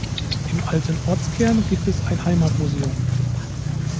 Im alten Ortskern gibt es ein Heimatmuseum.